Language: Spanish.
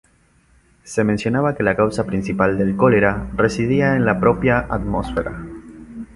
Se mencionaba que la causa principal del cólera residía en la propia atmósfera.